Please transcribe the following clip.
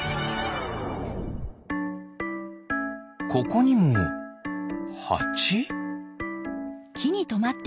ここにもハチ？